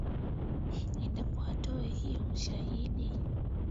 ependa atoe hiyo ushahidi